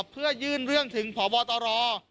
เพื่อยื่นเรื่องถึงพบตร